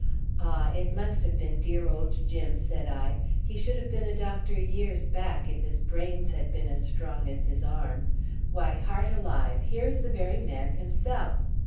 "Ah! it must have been dear old Jim," said I. "He should have been a doctor years back, if his brains had been as strong as his arm. Why, heart alive, here is the very man himself!"